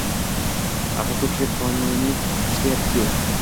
Axir ko`pchilik qonuniy ishlayapti-ku